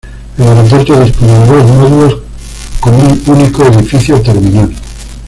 El aeropuerto dispone de dos módulos, con un único edificio terminal.